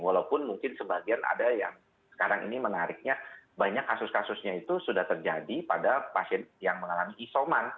walaupun mungkin sebagian ada yang sekarang ini menariknya banyak kasus kasusnya itu sudah terjadi pada pasien yang mengalami isoman